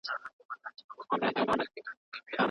تر اوسه نهه شکمن کسان نيول شوي دي.